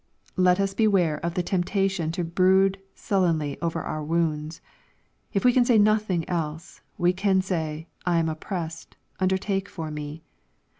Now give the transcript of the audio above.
Let us beware of the temptation to brood sullenly over x)ur wounds. If we can say nothing else, we can say, ^* I am oppressed : undertake for me."